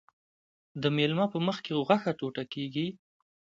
د میلمه په مخکې غوښه ټوټه کیږي.